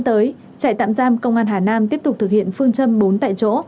tới trại tạm giam công an hà nam tiếp tục thực hiện phương châm bốn tại chỗ